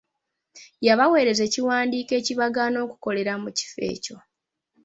Yabaweereza ekiwandiiko ekibagaana okukolera mu kifo ekyo.